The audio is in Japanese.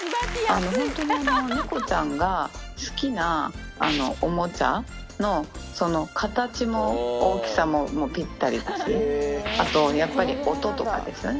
本当に猫ちゃんが好きなおもちゃの形も大きさもぴったりだし、あとやっぱり音とかですよね。